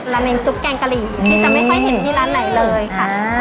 เน้นซุปแกงกะหรี่ที่จะไม่ค่อยเห็นที่ร้านไหนเลยค่ะ